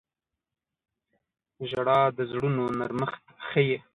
• ژړا د زړونو نرمښت ښيي.